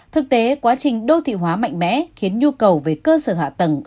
thực tế quá trình đô thị hóa mạnh mẽ khiến nhu cầu về cơ sở hạ tầng